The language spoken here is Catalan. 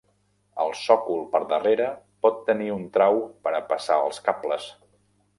El sòcol per darrere pot tenir un trau per a passar els cables.